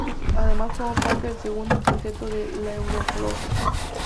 Además formó parte del segundo quinteto de la Euroliga.